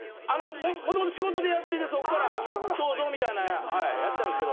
もともと仕事でやっててそっからどうぞみたいなやったんですけど。